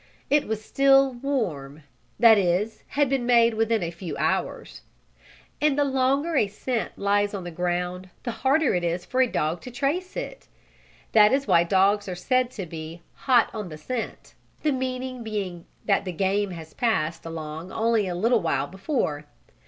It was still "warm." That is it had been made within a few hours. And the longer a scent lies on the ground the harder it is for a dog to trace it. That is why dogs are said to be "hot on the scent," the meaning being that the game has passed along only a little while before.